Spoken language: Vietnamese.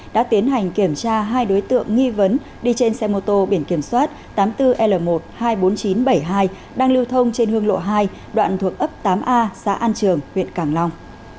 đã tiến hành kiểm tra hai đối tượng nghi vấn đi trên xe mô tô biển kiểm soát tám mươi bốn l một hai mươi bốn nghìn chín trăm bảy mươi hai đang lưu thông trên hương lộ hai đoạn thuộc ấp tám a xã an trường huyện càng long